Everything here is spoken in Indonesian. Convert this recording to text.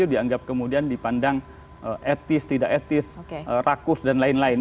dianggap kemudian dipandang etis tidak etis rakus dan lain lain